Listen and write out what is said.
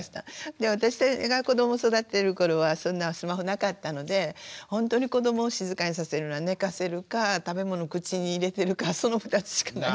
で私が子どもを育ててる頃はそんなスマホなかったのでほんとに子どもを静かにさせるのは寝かせるか食べ物口に入れてるかその２つしかない。